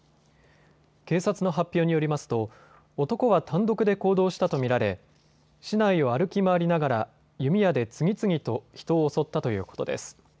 警察の発表によりますと男は単独で行動したと見られ市内を歩き回りながら弓矢で次々と人を襲ったということです。